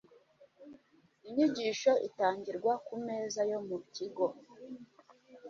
Inyigisho Itangirwa ku Meza yo mu Kigo